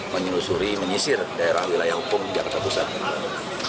menyelusuri menyisir daerah wilayah hukum jakarta pusat